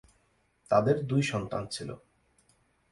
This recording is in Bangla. তাদের দুই সন্তান ছিল।